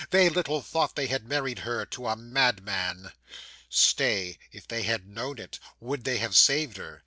They little thought they had married her to a madman. 'Stay. If they had known it, would they have saved her?